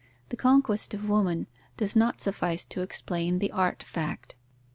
The conquest of woman does not suffice to explain the art fact.